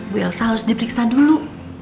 bu elsa harus diperiksa dulu